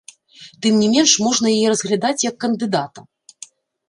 Тым не менш, можна яе разглядаць, як кандыдата.